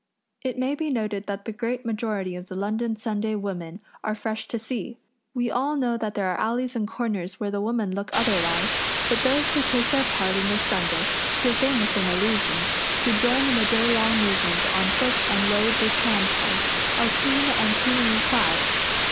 It may be noted that the great majority of the London Sunday women are fresh to see. We all know that there are alleys and corners where the women look otherwise, but those who take their part in this Sunday, so famous in allusions, who join in the day long movement on foot and load the tramcars, are clean and cleanly clad.